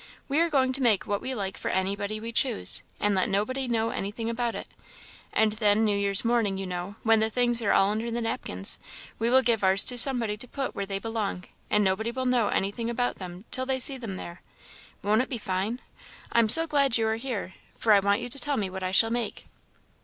we are going to make what we like for anybody we choose, and let nobody know anything about it; and then New Year's morning, you know, when the things are all under the napkins, we will give ours to somebody to put where they belong, and nobody will know anything about them till they see them there. Won't it be fine? I'm so glad you are here, for I want you to tell me what I shall make."